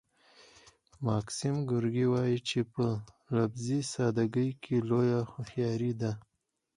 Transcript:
ماکسیم ګورکي وايي چې په لفظي ساده ګۍ کې لویه هوښیاري ده